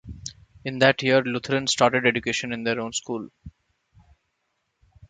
In that year Lutherans started education in their own school.